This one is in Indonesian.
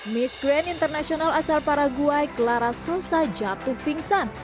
miss grand international asal paraguay clara sosa jatuh pingsan